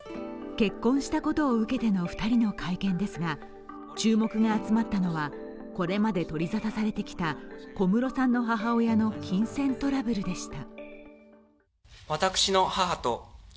結婚したことを受けての２人の会見ですが、注目が集まったのは、これまで取り沙汰されてきた小室さんの母親の金銭トラブルでした。